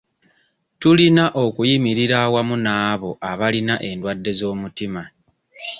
Tulina okuyimirira awamu n'abo abalina endwadde z'omutima